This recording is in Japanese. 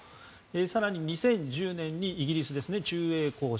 更に、２０１０年にイギリスで駐英公使。